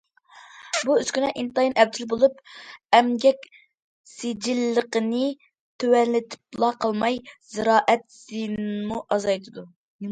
بۇ ئۈسكۈنە ئىنتايىن ئەپچىل بولۇپ، ئەمگەك سىجىللىقىنى تۆۋەنلىتىپلا قالماي، زىرائەت زىيىنىنىمۇ ئازايتىدۇ.